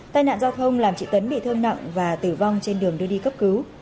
tai nạn giao thông làm chị tấn bị thương nặng và tử vong trên đường đưa đi cấp cứu